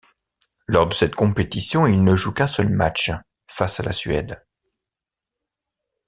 Lors de cette compétition, il ne joue qu'un seul match, face à la Suède.